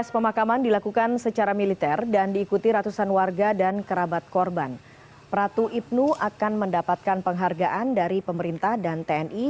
pratu ibn hidayat selamat menikmati